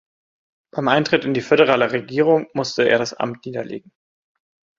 Beim Eintritt in die föderale Regierung musste er das Amt niederlegen.